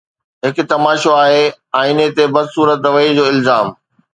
هڪ تماشو آهي، آئيني تي بدصورت رويي جو الزام